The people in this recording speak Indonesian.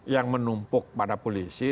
yang menumpuk pada polisi